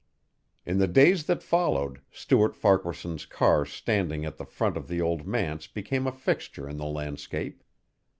In the days that followed Stuart Farquaharson's car standing at the front of the old manse became a fixture in the landscape.